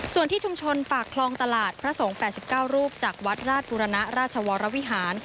ส่วนที่ชุมชนปากคลองตลาดพระสงฆ์๘๙รูปจากวัดราชบุรณะราชวรวิหาร